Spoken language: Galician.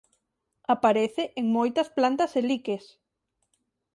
Aparece en moitas plantas e liques.